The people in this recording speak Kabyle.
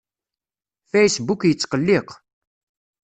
Facebook yettqelliq.